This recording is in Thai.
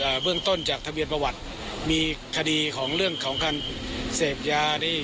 เบื้องต้นจากทะเบียนประวัติมีคดีของเรื่องของการเสพยานี่